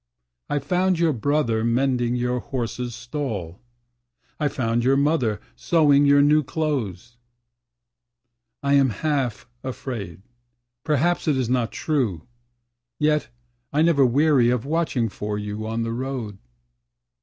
I found your brother mending your horseâs stall; I found your mother sewing your new clothes. I am half afraid; perhaps it is not true; Yet I never weary of watching for you on the road.